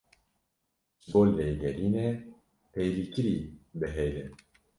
Ji bo lêgerînê, pêlîkirî bihêle.